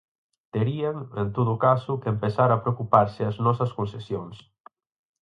Terían, en todo caso, que empezar a preocuparse as nosas concesións.